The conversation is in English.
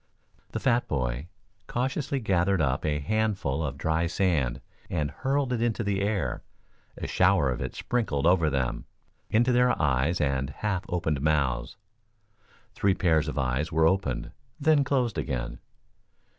The fat boy cautiously gathered up a handful of dry sand and hurled it into the air. A shower of it sprinkled over them, into their eyes and half opened mouths. Three pairs of eyes were opened, then closed again.